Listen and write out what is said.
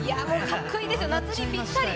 かっこいいですよ、夏にぴったり。